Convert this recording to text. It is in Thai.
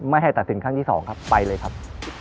ไม่ให้ตัดสินครั้งที่๒ครับไปเลยครับ